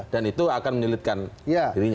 dan itu akan menyelidikan dirinya